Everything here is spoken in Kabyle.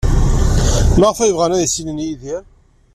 Maɣef ay bɣan ad ssnen Yidir?